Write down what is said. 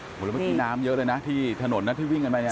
แล้วเมื่อกี้น้ำเยอะเลยนะที่ถนนนะที่วิ่งกันไปเนี่ย